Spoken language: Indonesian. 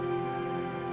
gak ada apa apa